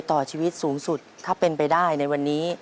ต่อชีวิตสูงสุดถ้าเป็นไปได้ในวันนี้